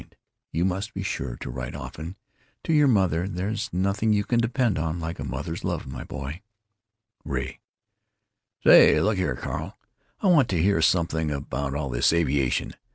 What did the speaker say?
And you must be sure to write often to your mother; there's nothing you can depend on like a mother's love, my boy." Ray: "Say, look here, Carl, I want to hear something about all this aviation.